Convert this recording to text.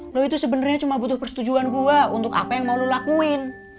lo itu sebenarnya cuma butuh persetujuan gue untuk apa yang mau lo lakuin